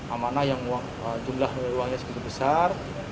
amanah yang jumlah uangnya sebesar